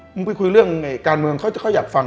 มึงไปคุยเรื่องการเมืองเขาจะเขาอยากฟัง